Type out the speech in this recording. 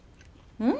うん！